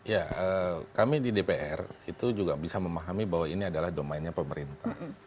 ya kami di dpr itu juga bisa memahami bahwa ini adalah domainnya pemerintah